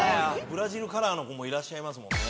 ブラジルカラーの子もいらっしゃいますもんね。